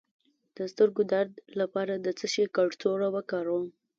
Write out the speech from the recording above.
د سترګو درد لپاره د څه شي کڅوړه وکاروم؟